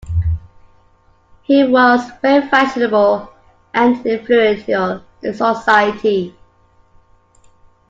He was very fashionable and influential in society.